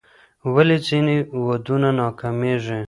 ولې ځینې ودونه ناکامیږي؟